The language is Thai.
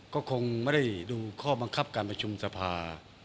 ก็คงไม่ได้ดูข้อบังคับการประชุมสภา